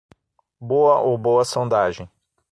Boa ou boa sondagem.